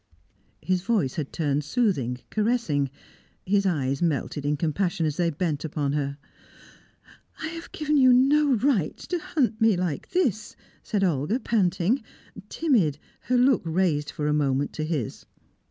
His voice had turned soothing, caressing; his eyes melted in compassion as they bent upon her. "I have given you no right to hunt me like this," said Olga, panting, timid, her look raised for a moment to his.